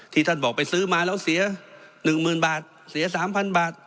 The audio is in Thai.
ที่ท่านบอกไปซื้อมาแล้วเสียหนึ่งหมื่นบาทเสียสามพันบาท